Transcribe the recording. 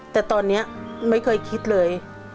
แต่ตอนนี้ไม่เคยคิดเลย